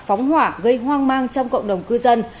phóng hỏa gây hoang mang trong cộng đồng cư dân